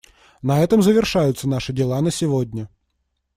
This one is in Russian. На этом завершаются наши дела на сегодня.